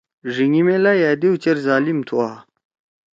ڙھینگی میلائی أ دیو چیر ظالم تُھوا۔